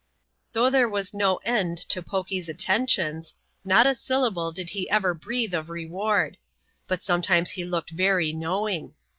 Though there was no end to Foky's attentions, not a syllable did he ever breathe of reward ; but sometimes he looked very knowing.